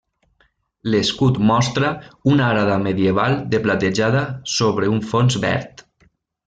L'escut mostra una arada medieval de platejada sobre un fons verd.